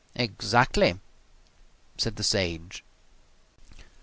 "Exactly," said the Sage.